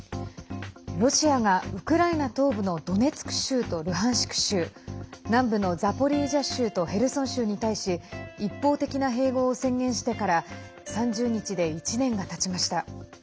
ロシアがウクライナ東部のドネツク州とルハンシク州南部のザポリージャ州とヘルソン州に対し一方的な併合を宣言してから３０日で１年がたちました。